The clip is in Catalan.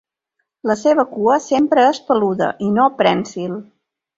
La seva cua sempre és peluda i no prènsil.